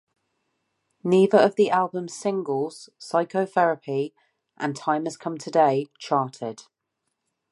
Neither of the album's singles-"Psycho Therapy" and "Time Has Come Today"-charted.